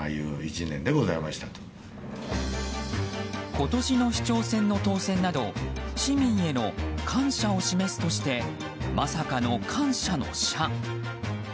今年の市長選の当選など市民への感謝を示すとしてまさかの感謝の「謝」。